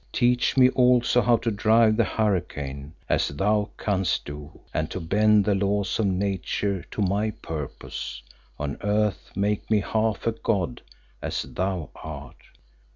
Teach me also how to drive the hurricane as thou canst do, and to bend the laws of nature to my purpose: on earth make me half a god as thou art.